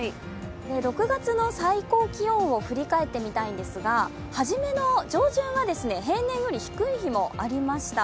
６月の最高気温を振り返ってみたいんですが初めの上旬や、平年より低い日もありました。